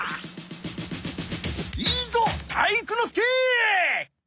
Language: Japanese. いいぞ体育ノ介！